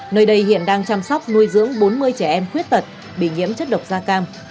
nơi đây hiện đang chăm sóc nuôi dưỡng bốn mươi trẻ em khuyết tật bị nhiễm chất độc da cam